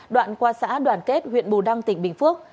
đoạn qua xã đoàn kết huyện bù đăng tỉnh bình phước